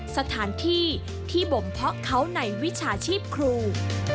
สถานที่ที่บ่มเพาะเขาในวิชาชีพครู